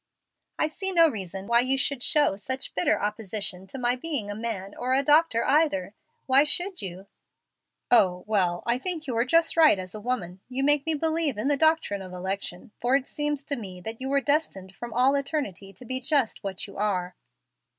"I see no reason why you should show such bitter opposition to my being a man or a doctor either. Why should you?" "O well I think you are just right as a woman. You make me believe in the doctrine of election, for it seems to me that you were destined from all eternity to be just what you are."